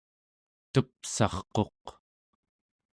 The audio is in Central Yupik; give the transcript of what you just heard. tepsarquq